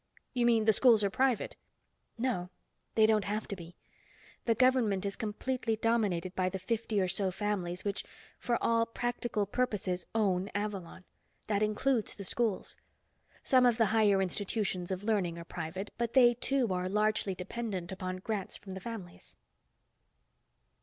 "You mean the schools are private?" "No, they don't have to be. The government is completely dominated by the fifty or so families which for all practical purposes own Avalon. That includes the schools. Some of the higher institutions of learning are private, but they, too, are largely dependent upon grants from the families."